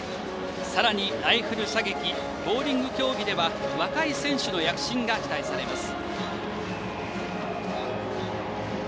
さらにライフル射撃ボウリング競技では若い選手の躍進が期待されます。